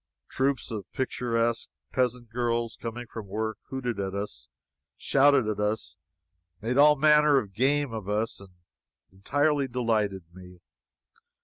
Troops of picturesque peasant girls, coming from work, hooted at us, shouted at us, made all manner of game of us, and entirely delighted me.